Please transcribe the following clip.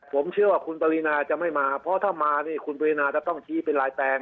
ผมเชื่อว่าคุณปรินาจะไม่มาเพราะถ้ามานี่คุณปรินาจะต้องชี้เป็นลายแปลง